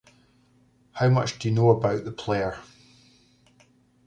How much do you know about the player?